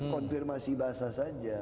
konfirmasi bahasa saja